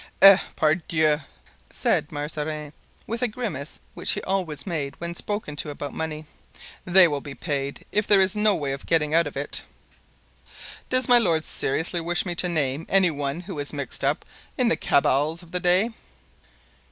"Eh, pardieu!" said Mazarin, with a grimace which he always made when spoken to about money. "They will be paid, if there is no way of getting out of it." "Does my lord seriously wish me to name any one who was mixed up in the cabals of that day?"